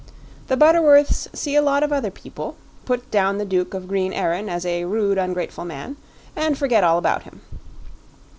The Butterworths see a lot of other people, put down the Duke of Green Erin as a rude, ungrateful man, and forget all about him.